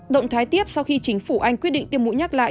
động thái tiếp sau khi chính phủ anh quyết định tiêm mũi nhắc lại